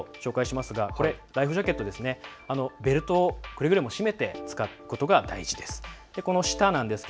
ライフジャケット、くれぐれも使うことが大事です。